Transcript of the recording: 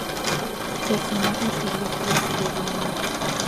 Personajes ilustres de Viana